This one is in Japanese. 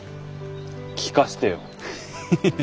聴かせてよ。